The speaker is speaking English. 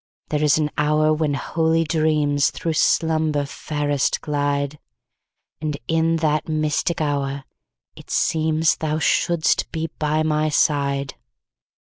There is an hour when holy dreamsThrough slumber fairest glide; And in that mystic hour it seemsThou shouldst be by my side.